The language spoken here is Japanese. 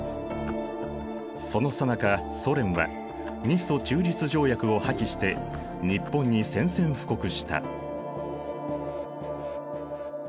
そのさなかソ連は日ソ中立条約を破棄して日本に宣戦布告した。